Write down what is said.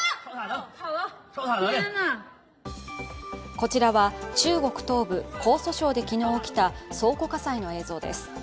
こちらは中国東部・江蘇省で昨日起きた倉庫火災の映像です。